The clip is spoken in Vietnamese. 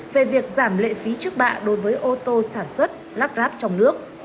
về việc giảm lệ phí trước bạ đối với ô tô sản xuất lắp ráp trong nước